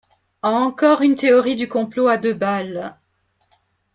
Encore une théorie du complot à deux balles.